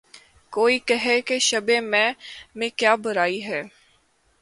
کوئی کہے کہ‘ شبِ مہ میں کیا برائی ہے